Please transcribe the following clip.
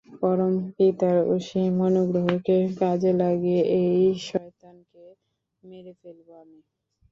পরম পিতার অসীম অনুগ্রহকে কাজে লাগিয়ে, এই শয়তানকে মেরে ফেলব আমি!